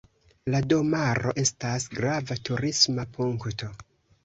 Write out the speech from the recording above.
La domaro estas grava turisma punkto.